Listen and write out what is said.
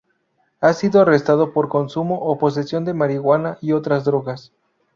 Ha sido arrestado por consumo o posesión de marihuana y otras drogas.